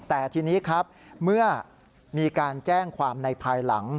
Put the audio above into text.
แต่ทีนี้ครับเมื่อมีการแจ้งความในภายหลัง